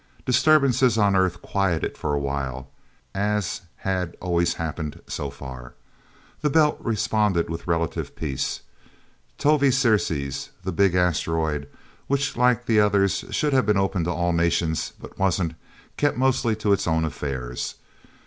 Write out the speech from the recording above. Disturbances on Earth quieted for a while, as had always happened, so far. The Belt responded with relative peace. Tovie Ceres, the Big Asteroid, which, like the others, should have been open to all nations, but wasn't, kept mostly to its own affairs.